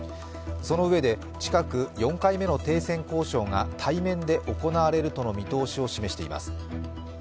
そのうえで近く、４回目の停戦交渉が対面で行われるとの見通しを示しています。